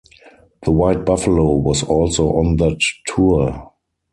The White Buffalo was also on that tour.